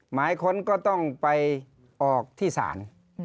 หมายค้นก็ต้องไปออกที่ศาล